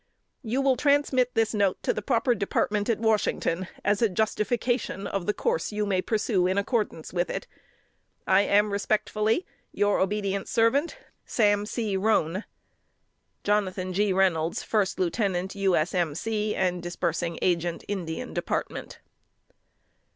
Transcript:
"You will transmit this note to the proper Department at Washington as a justification of the course you may pursue in accordance with it. I am, respectfully, Your obedient servant, JNO. G. REYNOLDS, SAM. C. ROANE. 1st Lieut. U. S. M. C., and Disb'g Agent, Ind. Dep't."